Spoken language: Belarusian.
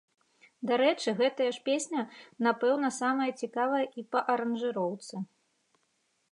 Дарэчы, гэтая ж песня, напэўна, самая цікавая і па аранжыроўцы.